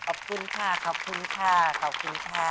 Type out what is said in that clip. ขอบคุณค่ะขอบคุณค่ะขอบคุณค่ะ